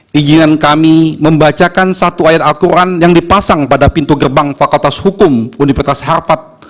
keinginan kami membacakan satu ayat al quran yang dipasang pada pintu gerbang fakultas hukum universitas harvard